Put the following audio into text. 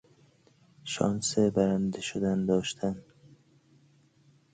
شانس برنده شدن داشتن